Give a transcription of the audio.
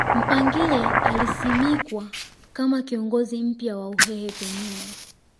Mpangile alisimikwa kama kiongozi mpya wa Uhehe penyewe